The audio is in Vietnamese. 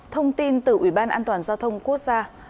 thông tin từ ủy ban an toàn giao thông quốc gia